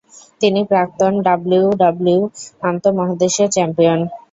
তিনি প্রাক্তন ডাব্লিউডাব্লিউই আন্তঃমহাদেশীয় চ্যাম্পিয়ন।